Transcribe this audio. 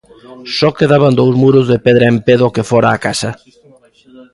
Só quedaban dous muros de pedra en pé do que fora a casa.